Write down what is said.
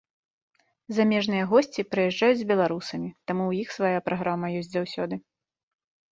Замежныя госці прыязджаюць з беларусамі, таму ў іх свая праграма ёсць заўсёды.